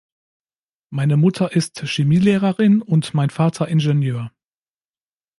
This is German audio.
Meine Mutter ist Chemielehrerin und mein Vater Ingenieur.